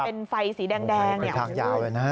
เป็นไฟสีแดงอย่างนี้โอเคเป็นทางยาวเลยนะ